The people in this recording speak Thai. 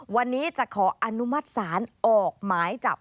วันนี้จะขออนุมัติศาลออกหมายจับ